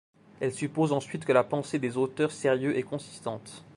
Elle suppose ensuite que la pensée des auteurs sérieux est consistante.